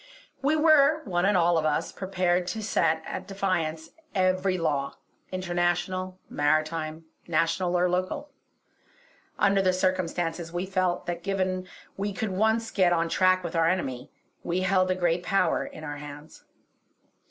We were, one and all of us, prepared to set at defiance every law international, maritime, national or local. Under the circumstances we felt that, given we could once get on track with our enemy, we held a great power in our hands.